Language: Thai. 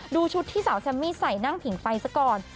ดูชุดที่สาวแซมมี่ใส่นั่งผิงไฟซะก่อน